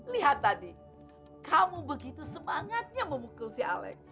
lihat tadi kamu begitu semangatnya memukul si alec